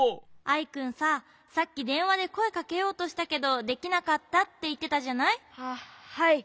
アイくんささっきでんわでこえかけようとしたけどできなかったっていってたじゃない？ははい。